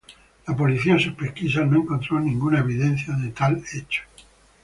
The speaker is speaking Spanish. La policía en sus pesquisas no encontró ninguna evidencia de tal hecho.